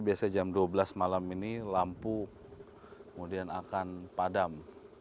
biasanya jam dua belas malam ini lampu kemudian akan padam